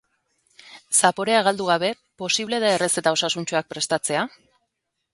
Zaporea galdu gabe, posible da errezeta osasuntsuak prestatzea?